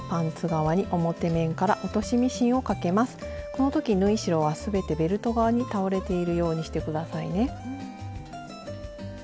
この時縫い代は全てベルト側に倒れているようにして下さいね。